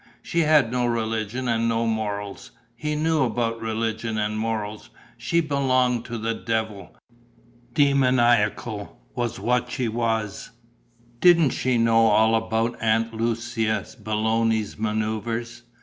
She had no religion and no morals he knew about religion and morals she belonged to the devil; demoniacal was what she was: didn't she know all about Aunt Lucia Belloni's manoeuvres?